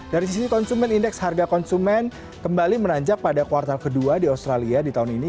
dari sisi konsumen indeks harga konsumen kembali menanjak pada kuartal kedua di australia di tahun ini